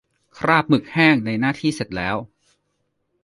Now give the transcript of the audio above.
คราบหมึกแห้ง ในหน้าที่เสร็จแล้ว